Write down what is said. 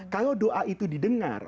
kalau doa itu didengar